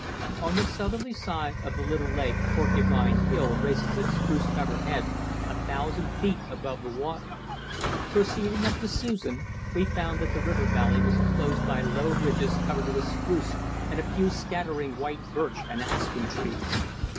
On the southerly side of the little lake Porcupine Hill raises its spruce covered head a thousand feet above the water. Proceeding up the Susan, we found that the river valley was enclosed by low ridges covered with spruce and a few scattering white birch and aspen trees.